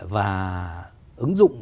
và ứng dụng